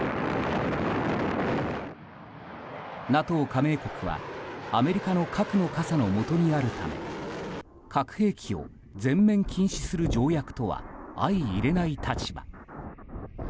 ＮＡＴＯ加盟国はアメリカの核の傘の下にあるため核兵器を全面禁止する条約とは相いれない立場。